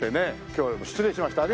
今日は失礼しました。